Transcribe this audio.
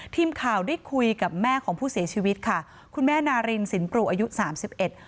ทีมข่าวได้คุยกับแม่ของผู้เสียชีวิตค่ะคุณแม่นารินสินปรูอายุสามสิบเอ็ด